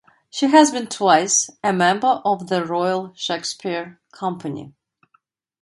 She has been twice a member of the Royal Shakespeare Company.